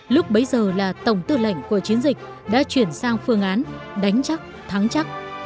lúc bấy giờ là tổng tư lệnh của chiến dịch đã chuyển sang phương án đánh chắc thắng chắc